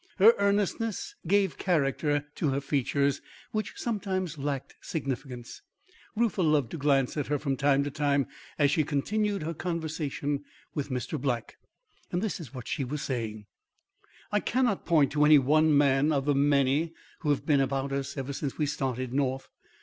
Her earnestness gave character to her features which sometimes lacked significance. Reuther loved to glance at her from time to time, as she continued her conversation with Mr. Black. This is what she was saying: "I cannot point to any one man of the many who have been about us ever since we started north.